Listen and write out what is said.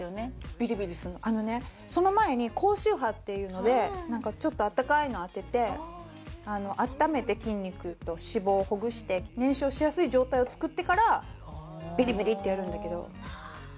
ビリビリするのあのねその前に高周波っていうのでちょっとあったかいの当ててあっためて筋肉と脂肪をほぐして燃焼しやすい状態を作ってからビリビリってやるんだけどで